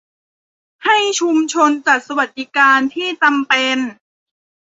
ให้ชุมชนจัดสวัสดิการที่จำเป็น